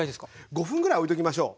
５分ぐらいおいときましょう。